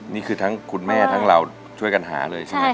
นี่คือทั้งคุณแม่ทั้งเราช่วยกันหาเลยใช่ไหม